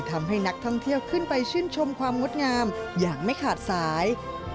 ทำให้นักท่องเที่ยวขึ้นไปชื่นชมความงดงามอย่างไม่ขาดสาย